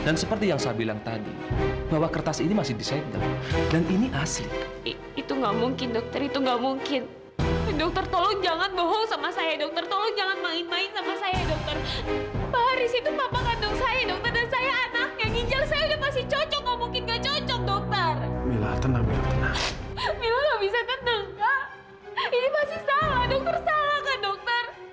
masih salah dokter salah kan dokter